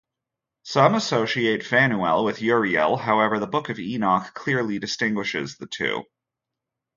Some associate Phanuel with Uriel, however, the Book of Enoch clearly distinguishes the two.